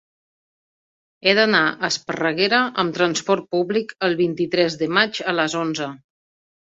He d'anar a Esparreguera amb trasport públic el vint-i-tres de maig a les onze.